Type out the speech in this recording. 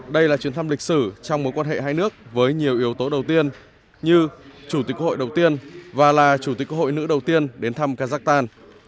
đây là chuyến thăm lịch sử trong mối quan hệ hai nước với nhiều yếu tố đầu tiên như chủ tịch hội đầu tiên và là chủ tịch hội nữ đầu tiên đến thăm kazakhstan